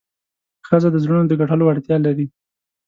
ښځه د زړونو د ګټلو وړتیا لري.